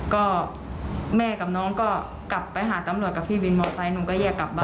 ก็แม่กับน้องก็กลับไปหาตำรวจกับพี่วินมอไซค์หนูก็แยกกลับบ้าน